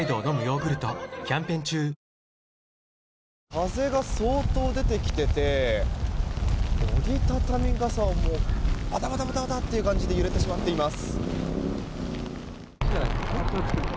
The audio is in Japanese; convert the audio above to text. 風が相当出てきてて折り畳み傘もバタバタという感じで揺れてしまっています。